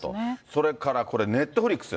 それからこれ、ネットフリックス。